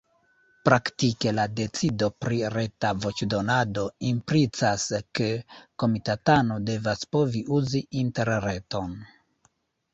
Praktike la decido pri reta voĉdonado implicas, ke komitatano devas povi uzi interreton.